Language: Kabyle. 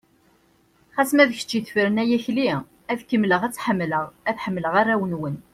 Ɣas ma d kečč i tefren ay Akli, ad kemmleɣ ad tt-ḥemmleɣ, ad ḥemmleɣ arraw-nwen.